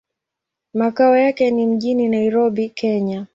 Makao yake ni mjini Nairobi, Kenya.